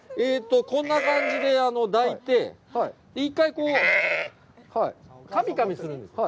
こんな感じで、抱いて、１回かみかみするんです。